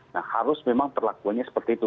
nah harus memang perlakuannya seperti itu